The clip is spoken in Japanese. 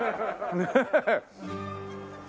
ねえ。